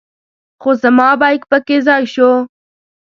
خو زما بیک په کې ځای شو.